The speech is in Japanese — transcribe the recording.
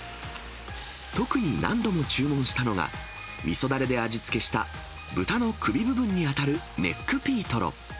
特に何度も注文したのが、みそだれで味付けした豚の首部分に当たるネックピートロ。